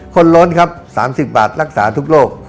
ล้นครับ๓๐บาทรักษาทุกโรค